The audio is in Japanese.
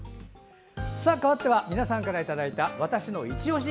かわっては皆さんからいただいた「＃わたしのいちオシ」